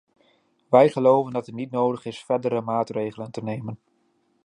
Wij geloven dat het niet nodig is verdere maatregelen te nemen.